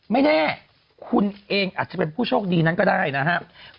ไม่แน่คุณเองอาจจะเป็นผู้โชคดีนั้นก็ได้นะครับ